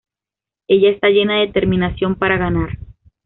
Ella está llena de determinación para ganar.